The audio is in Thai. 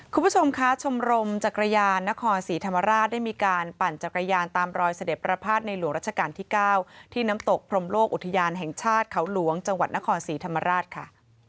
คุณผู้ชมคะชมรมจักรยานนครศรีธรรมราชได้มีการปั่นจักรยานตามรอยเสด็จประพาทในหลวงรัชกาลที่๙ที่น้ำตกพรมโลกอุทยานแห่งชาติเขาหลวงจังหวัดนครศรีธรรมราชค่ะ